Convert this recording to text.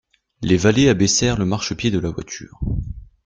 Les valets abaissèrent le marchepied de la voiture.